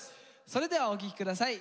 それではお聴き下さい。